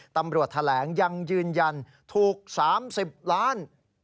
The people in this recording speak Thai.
ตำรวจแถลงยังยืนยันถูก๓๐ล้าน